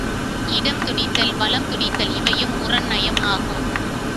இடம் துடித்தல் வலம் துடித்தல் இவையும் முரண் நயம் ஆகும்.